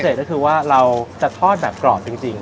ก็คือว่าเราจะทอดแบบกรอบจริง